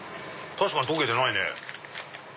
確かに溶けてないね。